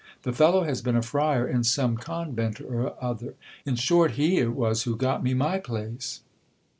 The fellow has been a friar in some convent or other. In short, he it was who got me my place.